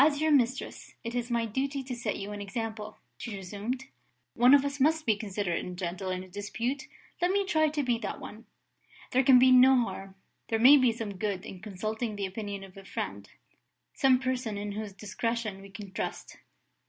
"As your mistress, it is my duty to set you an example," she resumed. "One of us must be considerate and gentle in a dispute let me try to be that one. There can be no harm, and there may be some good, in consulting the opinion of a friend; some person in whose discretion we can trust."